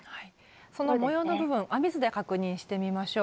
その模様の部分編み図で確認してみましょう。